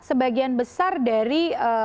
sebagian besar dari